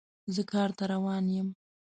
زه کار ته روان یم